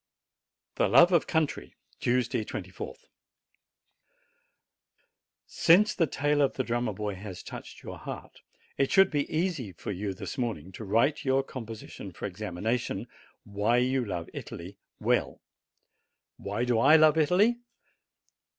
THE LOVE OF COUNTRY Tuesday, 24th. Since the tale of the Drummer boy has touched your heart, it should be easy for you this morning to write your composition for examination Why you love Italy well. Why do I love Italy